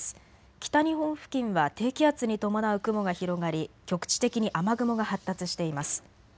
北日本付近は低気圧に伴う雲が広がり、局地的に雨雲が発達しています。